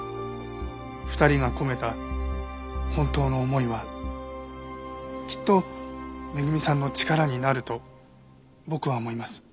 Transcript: ２人が込めた本当の思いはきっと恵さんの力になると僕は思います。